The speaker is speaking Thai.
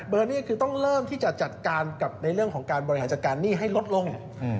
นี่คือต้องเริ่มที่จะจัดการกับในเรื่องของการบริหารจัดการหนี้ให้ลดลง